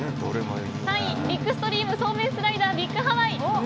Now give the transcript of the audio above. ３位、ビッグストリームそうめんスライダービッグハワイ。